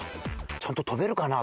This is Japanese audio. ちゃんと跳べるかな？」